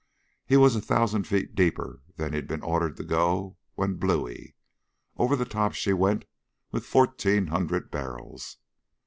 He was a thousand feet deeper than he'd been ordered to go when blooie! Over the top she went with fourteen hundred barrels....